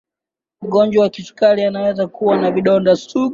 mgonjwa wa kisukari anaweza kuwa na vidonda sugu